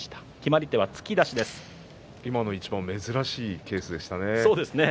今の一番珍しいケースでしたね。